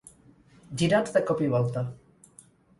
Girats de cop i volta.